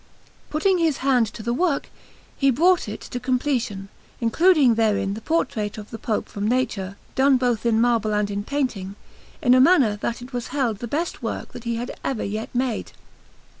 Putting his hand to the work, he brought it to completion, including therein the portrait of the Pope from nature, done both in marble and in painting, in a manner that it was held the best work that he had ever yet made.